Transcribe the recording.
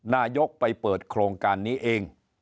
นายกไปเปิดโครงการนี้เอง